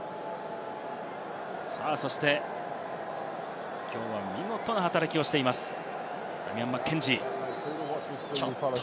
そして、きょうは見事な働きをしています、ダミアン・マッケンジー。